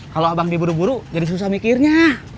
kalau abang diburu buru jadi susah mikirnya